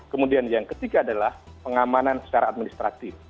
kemudian yang ketiga adalah pengamanan secara administratif